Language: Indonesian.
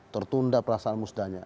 tertunda pelasana musdanya